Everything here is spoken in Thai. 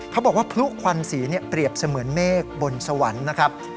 เขาบอกว่าพลุควันสีเปรียบเสมือนเมฆบนสวรรค์นะครับ